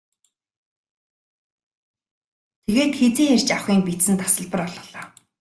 Тэгээд хэзээ ирж авахы нь бичсэн тасалбар олголоо.